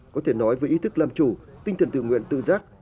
có thể nói về ý thức làm chủ tinh thần tự nguyện tự giác